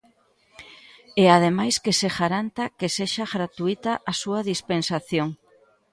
E ademais que se garanta que sexa gratuíta a súa dispensación.